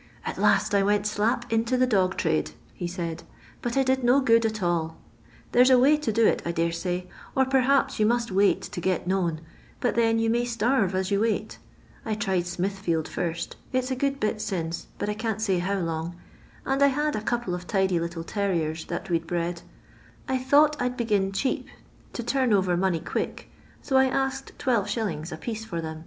" At last I went slap into the dog trade," he said, " but I did no good at all There 's a way to do it, I dare say, or perhaps you must wait to get known, but then you may starve as you wait I tried Smithfield first — ^it 's a good bit since, but I can't say how long — and I had a couple of tidy little terriers that we 'd bred ; I thought I 'd begin cheap to turn over money quick, so I asked 12f. a piece for them.